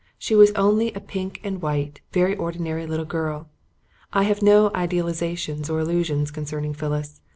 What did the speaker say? She was only a pink and white, very ordinary little girl. I have no idealisations or illusions concerning Phyllis.